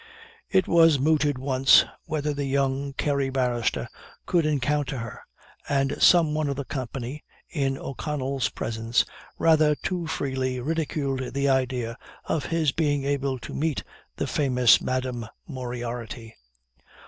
It was mooted once, whether the young Kerry barrister could encounter her, and some one of the company (in O'Connell's presence) rather too freely ridiculed the idea of his being able to meet the famous Madam Moriarty.